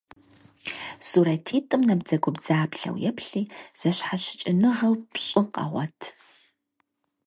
Сурэтитӏым набдзэгубдзаплъэу еплъи, зэщхьэщыкӏыныгъэу пщӏы къэгъуэт.